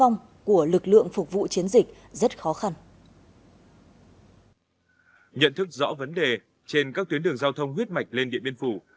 nhận thức rõ vấn đề trên các tuyến đường giao thông huyết mạch lên điện biên phủ